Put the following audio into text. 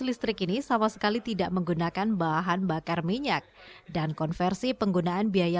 listrik ini sama sekali tidak menggunakan bahan bakar minyak dan konversi penggunaan biaya